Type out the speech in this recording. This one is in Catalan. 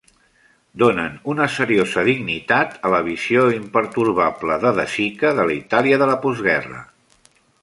Donen una seriosa dignitat a la visió impertorbable de De Sica de la Itàlia de la postguerra.